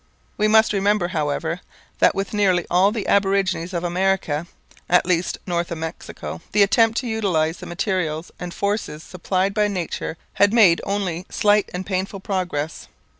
We must remember, however, that with nearly all the aborigines of America, at least north of Mexico, the attempt to utilize the materials and forces supplied by nature had made only slight and painful progress.